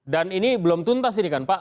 dan ini belum tuntas ini kan pak